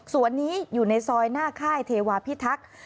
ส่วนนี้อยู่ในซอยหน้าค่ายเทวาพิทักษ์